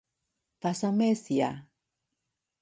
發生咩事啊？